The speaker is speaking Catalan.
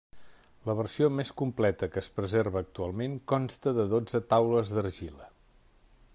La versió més completa que es preserva actualment consta de dotze taules d'argila.